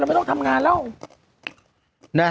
ทั้งวันเราไม่ต้องทำงานแล้ว